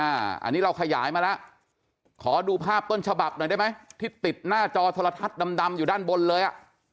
อันนี้เราขยายมาแล้วขอดูภาพต้นฉบับหน่อยได้ไหมที่ติดหน้าจอโทรทัศน์ดำอยู่ด้านบนเลยอ่ะ